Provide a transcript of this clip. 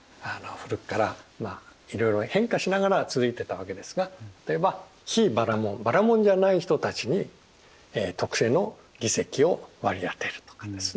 古くからいろいろ変化しながら続いてたわけですが例えば非バラモンバラモンじゃない人たちに特定の議席を割り当てるとかですね